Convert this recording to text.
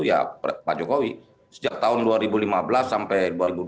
ya pak jokowi sejak tahun dua ribu lima belas sampai dua ribu dua puluh